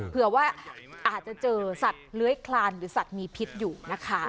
เผื่อว่าอาจจะเจอสัตว์เลื้อยคลานหรือสัตว์มีพิษอยู่นะคะ